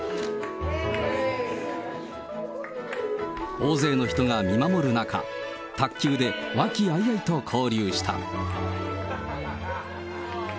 大勢の人が見守る中、卓球で和気あいあいと交流した。